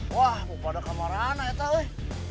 wah bukannya kamarana ya ta weh